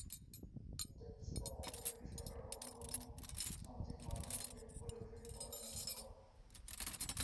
Internet সেবা বন্ধ করে দিয়ে সরকার কখনও কখনও সামাজিক মাধ্যম যোগে গুজব ছড়িয়ে পড়া নিয়ন্ত্রণ করে।